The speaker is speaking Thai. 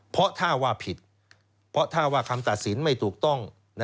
เพราะถ้าว่าผิดเพราะถ้าว่าคำตัดสินไม่ถูกต้อง